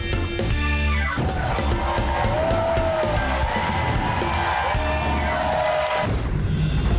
เย้